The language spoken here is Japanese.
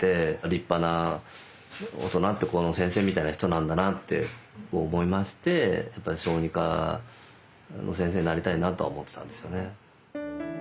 立派な大人ってこの先生みたいな人なんだなって思いまして小児科の先生になりたいなとは思ってたんですよね。